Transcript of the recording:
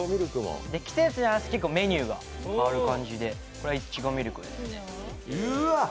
季節に合わせてメニューが変わる感じで、これはいちごミルク。